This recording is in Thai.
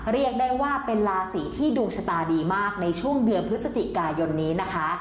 เรียกได้ว่าเป็นราศีที่ดวงชะตาดีมากในช่วงเดือนพฤศจิกายนนี้นะคะ